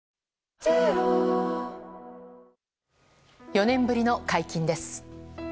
４年ぶりの解禁です。